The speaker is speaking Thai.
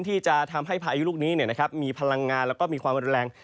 ที่จะทำให้พายุลูกนี้มีพลังงานแล้วก็มีความรุนแรง